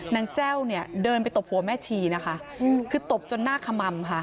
แจ้วเนี่ยเดินไปตบหัวแม่ชีนะคะคือตบจนหน้าขม่ำค่ะ